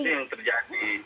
itu yang terjadi